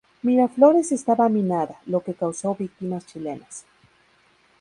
Miraflores estaba minada, lo que causó víctimas chilenas.